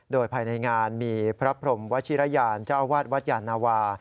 โดยภายในงานมีพระพรมวชิรยานเจ้าอาวาสวัดยานาวา